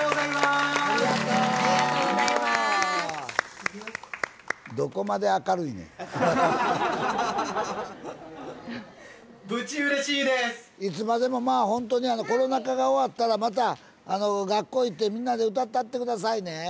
いつまでもまあほんとにコロナ禍が終わったらまた学校行ってみんなで歌ったって下さいね。